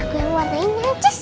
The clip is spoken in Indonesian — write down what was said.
aku yang warnainnya cus